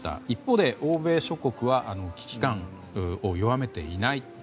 一方で、欧米諸国は危機感を弱めていない。